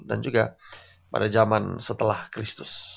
dan juga pada zaman setelah kristus